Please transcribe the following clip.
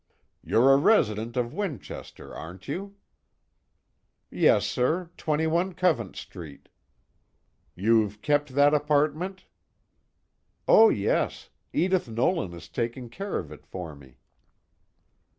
_ "you're a resident of Winchester, aren't you?" "Yes, sir. 21 Covent Street." "You've kept that apartment?" "Oh yes. Edith Nolan is taking care of it for me."